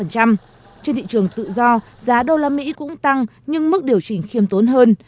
trên thị trường tự do giá usd cũng tăng nhưng mức điều chỉnh khiêm tốn hơn